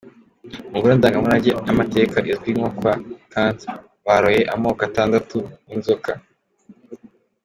Mu Ngoro ndangamurage y’amateka izwi nko kwa Kandt baroye amoko atandatu y’inzoka.